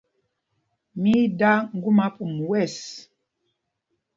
Mí í dā ŋgúma pum wɛ̂ɛs.